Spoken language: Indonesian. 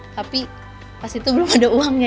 tapi pas itu belum ada uangnya